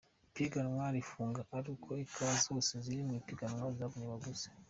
Ipiganwa rifunga ari uko ikawa zose ziri mu ibiganwa zabonye abaguzi.